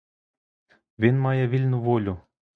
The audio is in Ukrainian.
Він має вільну волю!